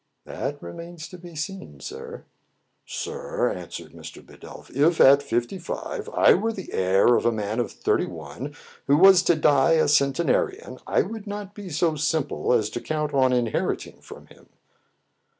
"That remains to be seen, sir." "Sir," answered Mr. Bidulph, "if at fifty five I were the heir of a man of thirty one, who was to die a centenarian, I would not be so simple as to count on inheriting from him."